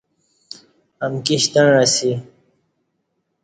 امکی شتݩع اسی